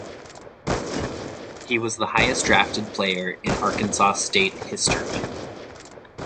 He was the highest drafted player in Arkansas State history.